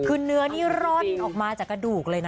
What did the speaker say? คือเนื้อนี่ร่อนออกมาจากกระดูกเลยนะ